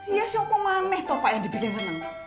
iya siapa aneh toh pak yang dibikin seneng